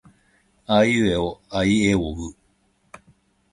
あいうえおあいえおう。